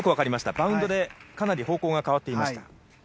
バウンドで、かなり方向が変わっていました。